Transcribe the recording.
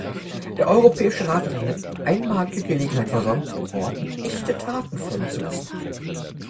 Der Europäische Rat hat eine einmalige Gelegenheit versäumt, Worten echte Taten folgen zu lassen.